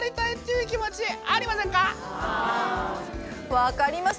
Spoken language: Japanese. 分かります。